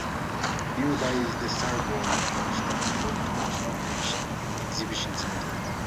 Nearby is The Star Gold Coast and Gold Coast Convention and Exhibition Centre.